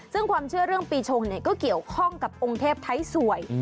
ซึ่งความเชื่อเรื่องปีชงก็เกี่ยวข้องกับองค์เทพไทยสวย